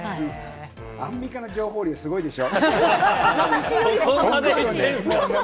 アンミカの情報量すごいでしょう。